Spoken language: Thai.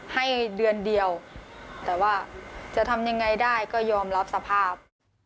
ให้เดือนเดียวแต่ว่าจะทำยังไงได้ก็ยอมรับสภาพ